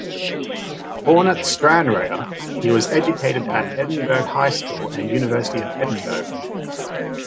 Born at Stranraer, he was educated at Edinburgh High School and University of Edinburgh.